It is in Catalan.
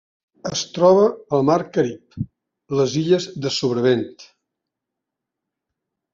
Es troba al mar Carib: les illes de Sobrevent.